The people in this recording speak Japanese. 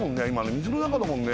水の中だもんね。